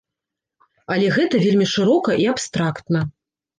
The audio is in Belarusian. Але гэта вельмі шырока і абстрактна.